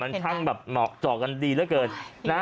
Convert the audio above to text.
มันช่างเหมาะเจาะกันดีเยอะเกิน